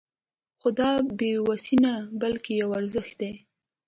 خو دا بې وسي نه بلکې يو ارزښت دی.